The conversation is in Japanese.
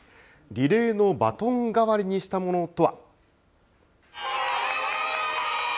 リレーのバトン代わりにしたものとは。